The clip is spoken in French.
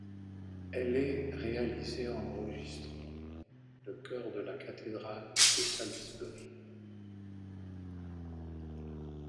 Elle est réalisée en enregistrant le chœur de la cathédrale de Salisbury.